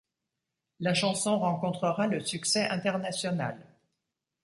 La chanson rencontrera le succès international.